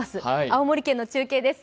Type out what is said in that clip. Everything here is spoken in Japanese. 青森県の中継です。